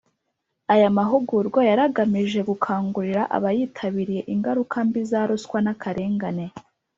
aya mahugurwa yari agamije gukangurira abayitabiriye ingaruka mbi za ruswa n’akarengane